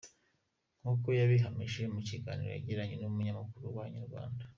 Nk’uko yabihamije mu kiganiro yagiranye n’umunyamakuru wa Inyarwanda.